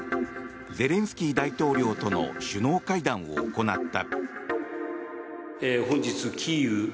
ゼレンスキー大統領との首脳会談を行った。